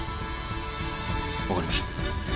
わかりました。